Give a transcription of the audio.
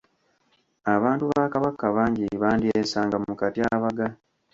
Abantu ba Kabaka bangi bandyesanga mu katyabaga.